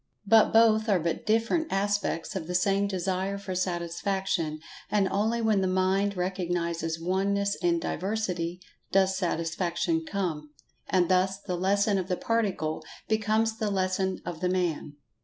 But both are but different aspects of the same Desire for Satisfaction, and only when the Mind recognizes Oneness in Diversity does Satisfaction come. And thus the lesson of the Particle becomes the Lesson of the Man.